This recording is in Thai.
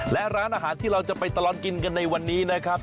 และร้านอาหารที่เราจะไปตลอดกินกันในวันนี้นะครับ